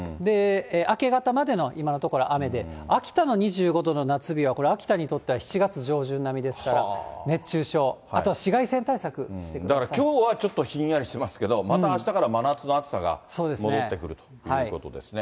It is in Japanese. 明け方までの今のところ雨で、秋田の２５度の夏日はこれ、秋田にとっては７月上旬並みですから、熱中症、あとは紫外線対策きょうはちょっとひんやりしますけど、またあしたから真夏の暑さが戻ってくるということですね。